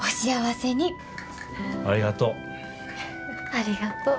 ありがとう。